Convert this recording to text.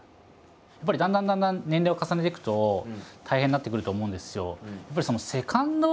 やっぱりだんだんだんだん年齢を重ねていくと大変になってくると思うんですよ。